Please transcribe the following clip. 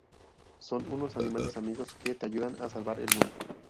Son unos animales amigos que te ayudan a salvar el mundo.